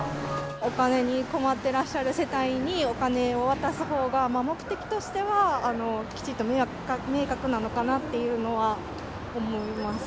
お金に困ってらっしゃる世帯にお金を渡す方が目的としてはきちっと明確なのかなというのは思います。